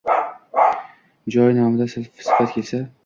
Joy nomida sifat kelsa